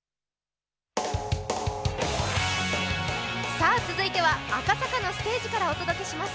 さあ、続いては赤坂のステージからお届けします。